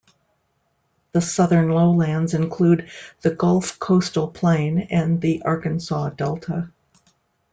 The southern lowlands include the Gulf Coastal Plain and the Arkansas Delta.